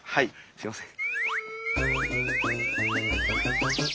すいません。